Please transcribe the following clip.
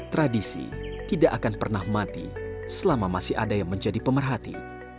tradisi tidak akan pernah mati selama masih ada yang menjadi pemerhati